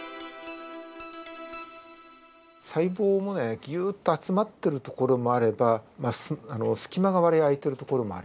細胞もねギュッと集まってるところもあればまあ隙間が割合空いてるところもあります。